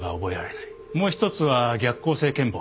もう一つは逆向性健忘。